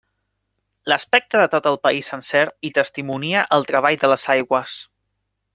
L'aspecte de tot el país sencer hi testimonia el treball de les aigües.